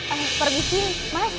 ayuh pergi mas